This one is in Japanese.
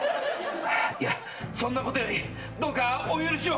いやそんなことよりどうかお許しを！